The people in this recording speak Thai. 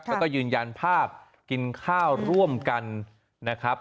แล้วก็ยืนยันภาพกินข้าวร่วมกันนะครับ